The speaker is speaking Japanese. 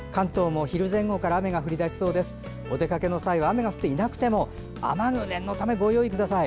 お出かけの際は雨が降っていなくても雨具を念のためご用意ください。